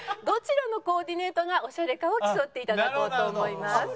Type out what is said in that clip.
どちらのコーディネートがオシャレかを競って頂こうと思います。